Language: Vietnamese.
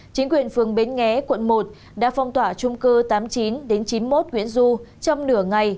chính quyền phường bến nghé quận một đã phong tỏa trung cư tám mươi chín chín mươi một nguyễn du trong nửa ngày